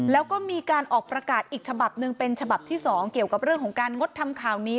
แล้วก็มีการออกประกาศอีกฉบับหนึ่งเป็นฉบับที่๒เกี่ยวกับเรื่องของการงดทำข่าวนี้